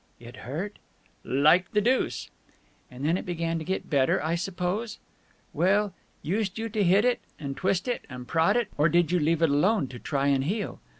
"It hurt?" "Like the deuce!" "And then it began to get better, I suppose. Well, used you to hit it, and twist it, and prod it, or did you leave it alone to try and heal?